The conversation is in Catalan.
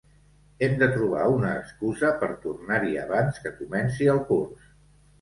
Hem de trobar una excusa per tornar-hi abans que comenci el curs.